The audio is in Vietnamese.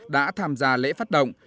đã tham gia lễ phát động